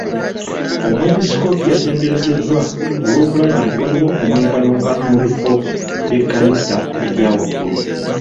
Omwepiskoopi yatenderezeddwa olw'okulaba nti waliwo omwenkanonkano mu bifo by'ekkanisa ebya waggulu.